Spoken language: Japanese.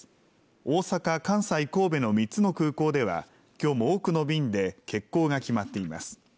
大阪、関西、神戸の３つの空港ではきょうも多くの便で欠航が決まっています。